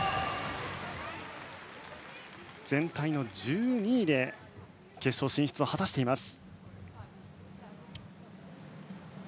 全体の１２位で決勝進出を果たしています。